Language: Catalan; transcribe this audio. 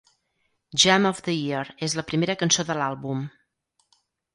"Jam of the Year" és la primera cançó de l'àlbum.